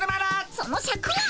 そのシャクを。